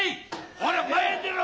ほら前へ出ろ！